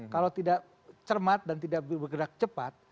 kalau tidak cermat dan tidak bergerak cepat